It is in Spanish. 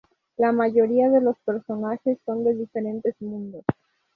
La mayoría de los personajes son de diferentes mundos.